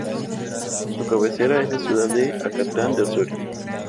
Su cabecera es la ciudad de Acatlán de Osorio.